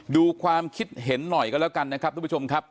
ดูความคิดเห็นหน่อยก็แล้วกันนะครับทุกผู้ชมครับ